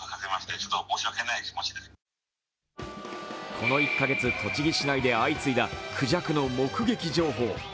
この１カ月、栃木市内で相次いだくじゃくの目撃情報。